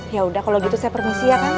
yaudah kalo gitu saya permisi ya